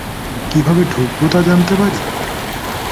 কীভাবে ঢুকব তা জানতে পারি?